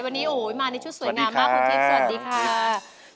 วันนี้มาในชุดสวยงามมากคุณเทพสวัสดีค่ะ